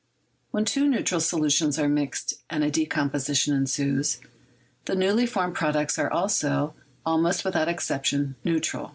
... When two neutral solu tions are mixed and a decomposition ensues, the newly formed products are also, almost without exception, neu tral.